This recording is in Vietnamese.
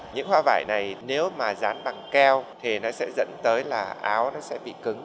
những hoa vải này nếu mà dán bằng keo thì nó sẽ dẫn tới là áo nó sẽ bị cứng